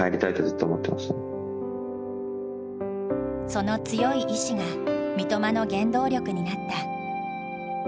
その強い意思が三笘の原動力になった。